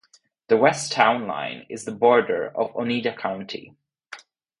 The west town line is the border of Oneida County.